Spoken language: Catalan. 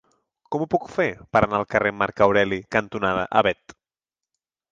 Com ho puc fer per anar al carrer Marc Aureli cantonada Avet?